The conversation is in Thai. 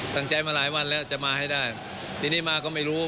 ตั้งใจมาหลายวันแล้วจะมาให้ได้ทีนี้มาก็ไม่รู้